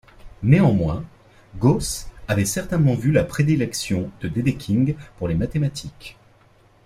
Néanmoins, Gauss avait certainement vu la prédilection de Dedekind pour les mathématiques.